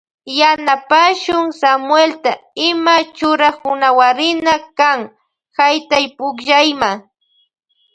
Yanapashun Samuelta ima churakunawarina kan haytaypukllayma.